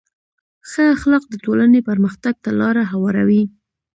ښه اخلاق د ټولنې پرمختګ ته لاره هواروي.